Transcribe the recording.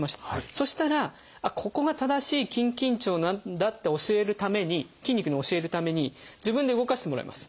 そしたらここが正しい筋緊張なんだって教えるために筋肉に教えるために自分で動かしてもらいます。